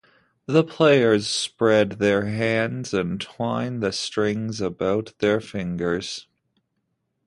The players spread their hands and twine the string about their fingers.